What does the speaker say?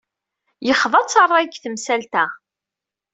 Yexḍa-t ṛṛay deg temsalt-a.